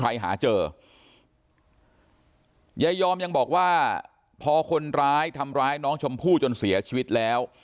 หาเจอยายอมยังบอกว่าพอคนร้ายทำร้ายน้องชมพู่จนเสียชีวิตแล้ว